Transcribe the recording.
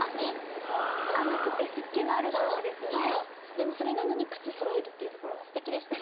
でもそれなのに靴そろえるっていうところが素敵でしたね。